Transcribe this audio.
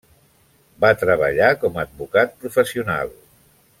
Va treballar com advocat professional.